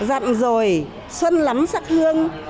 dặn rồi xuân lắm sắc hương